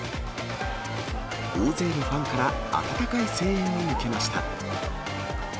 大勢のファンから温かい声援を受けました。